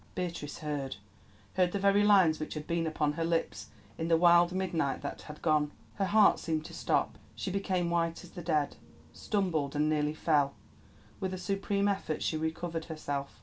'" Beatrice heard—heard the very lines which had been upon her lips in the wild midnight that had gone. Her heart seemed to stop; she became white as the dead, stumbled, and nearly fell. With a supreme effort she recovered herself.